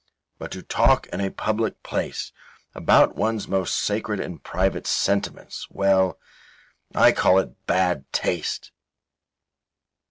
But to talk in a public place about one's most sacred and private sentiments well, I call it bad taste.